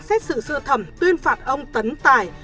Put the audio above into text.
xét xử sửa thẩm tuyên phạt ông tấn tài